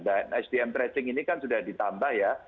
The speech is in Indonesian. dan stm tracing ini kan sudah ditambah ya